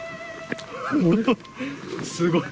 すごい。